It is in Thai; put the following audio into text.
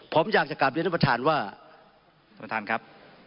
ผมอยากจะกลับให้ท่านประธานว่าสมทานครับ